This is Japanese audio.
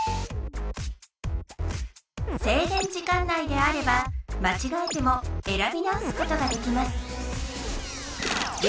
制限時間内であればまちがえても選び直すことができます